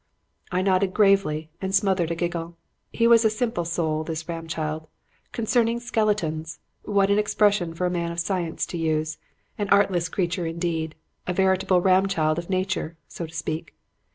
"'I nodded gravely and smothered a giggle. He was a simple soul, this Ramchild. 'Concerning skeletons!' What an expression for a man of science to use! An artless creature indeed! A veritable Ramchild of nature, so to speak.